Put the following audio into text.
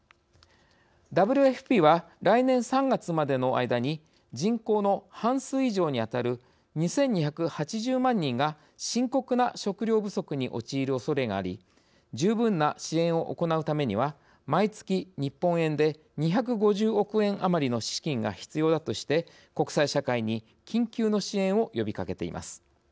ＷＦＰは来年３月までの間に人口の半数以上にあたる２，２８０万人が深刻な食料不足に陥るおそれがあり十分な支援を行うためには毎月日本円で２５０億円余りの資金が必要だとして国際社会に緊急の支援を呼びかけています。